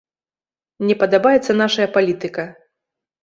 Не падабаецца нашая палітыка.